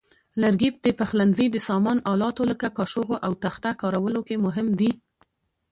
لرګي د پخلنځي د سامان آلاتو لکه کاشوغو او تخته کارولو کې مهم دي.